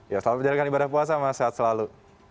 ya selamat menjalankan ibadah puasa mas sehat selalu